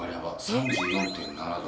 ３４．７℃。